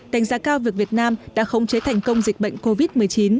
đánh giá cao việc việt nam đã khống chế thành công dịch bệnh covid một mươi chín